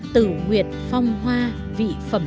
tử nguyệt phong hoa vị phẩm